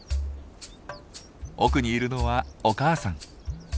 奥にいるのはお母さん。